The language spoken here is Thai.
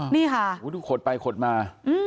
นี่ค่ะดูขดไปขดมา